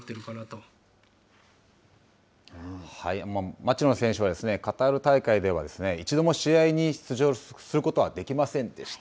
町野選手は、カタール大会では、一度も試合に出場することはできませんでした。